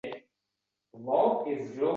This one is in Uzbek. Shu kirishim kerakligini aytib chaqirib qoldi.